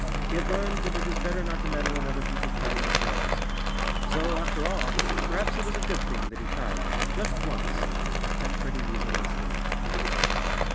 He had learned that it is better not to meddle in other people's private affairs. So, after all, perhaps it was a good thing that he tried, just once, to catch Freddie Weasel asleep.